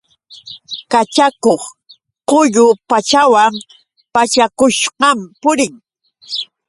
Kachakuq quyu pachawan pachakushqam purin.